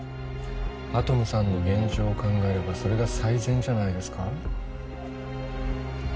アトムさんの現状を考えればそれが最善じゃないですか？